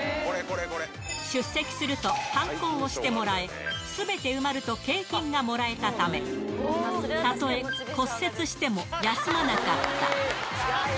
出席すると、はんこを押してもらえ、すべて埋まると景品がもらえたため、たとえ骨折しても、休まなかった。